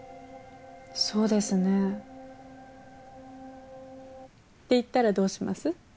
そうですね。って言ったらどうします？